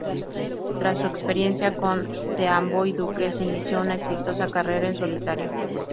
Tras su experiencia con The Amboy Dukes, inició una exitosa carrera en solitario.